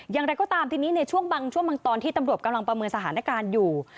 อย่างไรก็ตามทีนี้ในช่วงบางช่วงบางตอนที่ตำรวจกำลังประเมินสถานการณ์อยู่